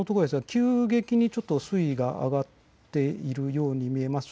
急激に水位が上がっているように見えます。